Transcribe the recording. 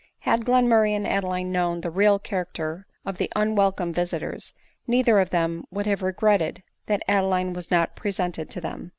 Had Glenmurray and Adeline known the real charac ter t)f the unwelcome visiters, neither of them would have regretted that Adeline was not presented to them.